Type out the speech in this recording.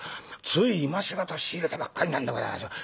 つい今し方仕入れたばっかりなんでございますよ。